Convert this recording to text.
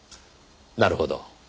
なるほど。